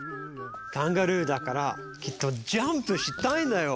カンガルーだからきっとジャンプしたいんだよ。